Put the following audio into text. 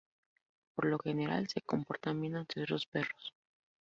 Por lo general se comportan bien ante otros perros.